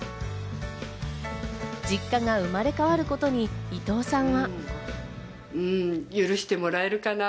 実家が生まれ変わることに伊藤さんは。